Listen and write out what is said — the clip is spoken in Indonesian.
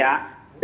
dalam islam itu ada